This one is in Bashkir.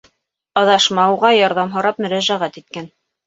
Аҙашма уға ярҙам һорап мөрәжәғәт иткән.